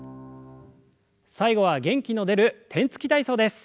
最後は元気の出る天つき体操です。